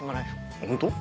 ホント？